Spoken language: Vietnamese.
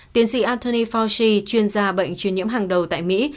tiến sĩ anthony fauci chuyên gia bệnh truyền nhiễm hàng đầu tại mỹ